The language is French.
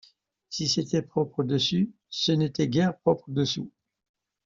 Si c’était propre dessus, ce n’était guère propre dessous.